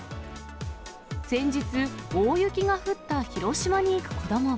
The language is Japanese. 先日、大雪が降った広島に行く子どもは。